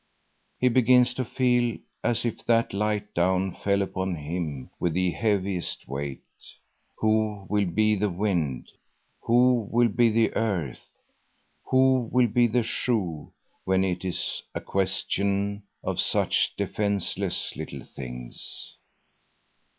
He begins to feel as if that light down fell upon him with the heaviest weight. Who will be the wind; who will be the earth; who will be the shoe when it is a question of such defenceless little things?